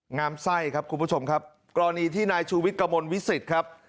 งามไส้ครับคุณผู้ชมครับกรณีที่นายชูวิทย์กระมวลวิสิตครับ